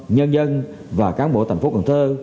nhân dân và cán bộ thành phố cần thơ